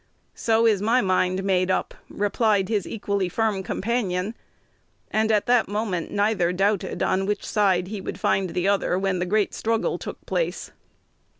"So is my mind made up," replied his equally firm companion; and at that moment neither doubted on which side he would find the other when the great struggle took place.